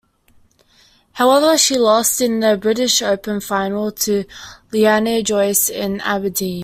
However, she lost in the British Open final to Leilani Joyce in Aberdeen.